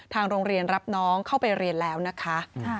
ทางโรงเรียนรับน้องเข้าไปเรียนแล้วนะคะ